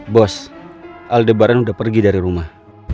bos aldebaran udah pergi dari rumah